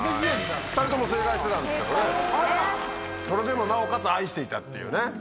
それでもなおかつ愛していたっていうね。